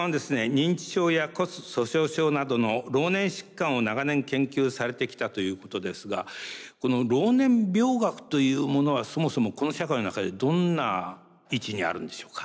認知症や骨粗しょう症などの老年疾患を長年研究されてきたということですがこの老年病学というものはそもそもこの社会の中でどんな位置にあるんでしょうか。